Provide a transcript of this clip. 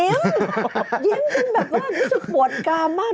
ยิ้มจนแบบว่ารู้สึกปวดกามมาก